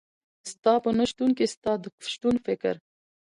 ستا په نشتون کي ستا د شتون فکر